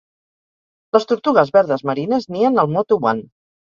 Les tortugues verdes marines nien al Motu One.